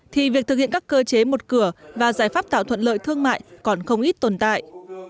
thì việc thực hiện các cơ chế một cửa và giải pháp tạo thuận lợi thương mại còn không ít tồn tại